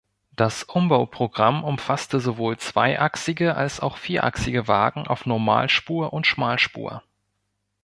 Das Umbauprogramm umfasste sowohl zweiachsige als auch vierachsige Wagen auf Normalspur und Schmalspur.